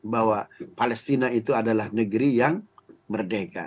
bahwa palestina itu adalah negeri yang merdeka